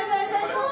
そう！